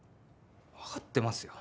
分かってますよ。